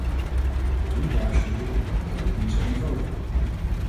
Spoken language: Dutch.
Toen waarschuwde ik al dat het niet zo eenvoudig lag.